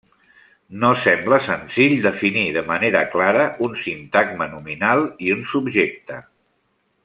No sembla senzill definir de manera clara un sintagma nominal i un subjecte.